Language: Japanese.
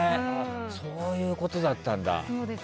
そういうことだったんだ。